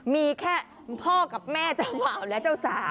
มีแค่พ่อกับแม่เจ้าบ่าวและเจ้าสาว